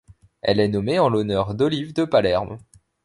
Elle est nommée en l'honneur d'Olive de Palerme.